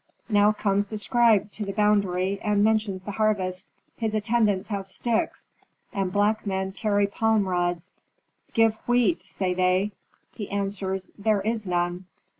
Now comes the scribe to the boundary and mentions the harvest. His attendants have sticks, and black men carry palm rods. 'Give wheat!' say they. He answers, 'There is none.'